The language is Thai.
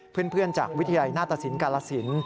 เพื่อนจากวิทยาลัยหน้าตสินกาลสิน